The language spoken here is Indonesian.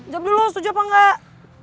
jam dulu setuju apa enggak